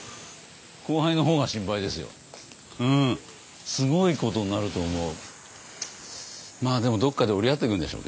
うんすごいことになると思う。